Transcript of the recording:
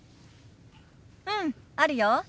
うんあるよ。